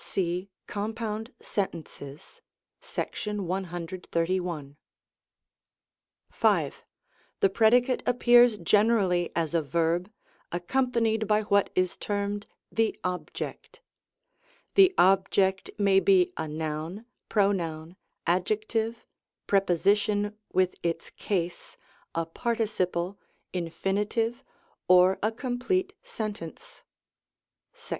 (See compound sen tences, §131.). 5. The predicate appears generally as a verb, ac companied by what is termed "the objectP The ob ject may be a noun, pronoun, adjective, preposition with its case, a participle, infinitive, or a complete sentence (§131).